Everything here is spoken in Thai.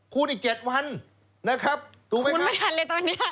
คูณอีกเจ็ดวันนะครับถูกไหมครับคูณไม่ทันเลยตอนนี้